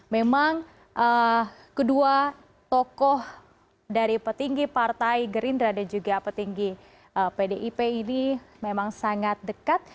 memang kedua tokoh dari petinggi partai gerindra dan juga petinggi pdip ini memang sangat dekat